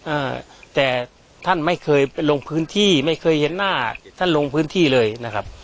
อ่าแต่ท่านไม่เคยลงพื้นที่ไม่เคยเห็นหน้าท่านลงพื้นที่เลยนะครับ